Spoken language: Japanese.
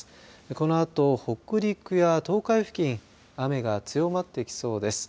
このあと、北陸や東海付近雨が強まってきそうです。